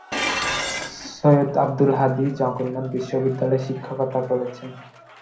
সৈয়দ আব্দুল হাদী জগন্নাথ বিশ্ববিদ্যালয়ে শিক্ষকতা করেছেন।